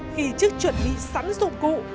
khi chức chuẩn bị sẵn dụng cụ